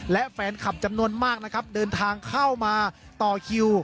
และแฟนคลับจำนวนมากนะครับเดินทางเข้ามาต่อคิว